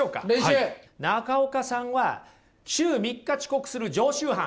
中岡さんは週３日遅刻する常習犯。